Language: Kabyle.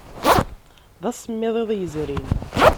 D asemmiḍ iḍ yezrin.